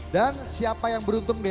dan siapa yang beruntung dia